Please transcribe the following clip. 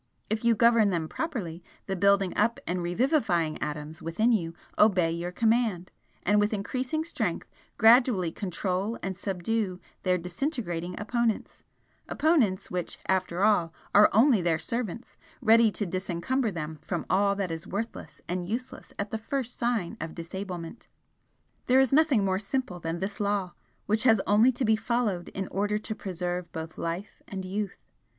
If you govern them properly, the building up and revivifying atoms within you obey your command, and with increasing strength gradually control and subdue their disintegrating opponents, opponents which after all are only their servants, ready to disencumber them from all that is worthless and useless at the first sign of disablement. There is nothing more simple than this law, which has only to be followed in order to preserve both life and youth.